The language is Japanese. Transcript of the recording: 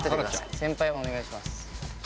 先輩お願いします。